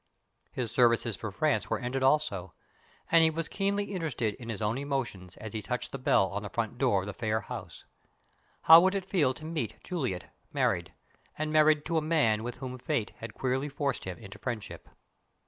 His services for France were ended also; and he was keenly interested in his own emotions as he touched the bell on the front door of the Phayre house. How would it feel to meet Juliet married and married to a man with whom fate had queerly forced him into friendship?